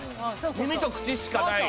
耳と口しかない。